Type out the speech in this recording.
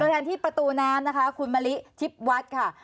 แทนที่ประตูน้ำนะคะคุณมะลิทิพย์วัดค่ะ